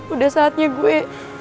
udah saatnya gue